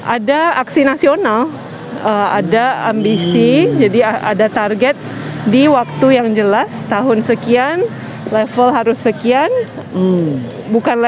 ada aksi nasional ada ambisi jadi ada target di waktu yang jelas tahun sekian level harus sekian bukanlah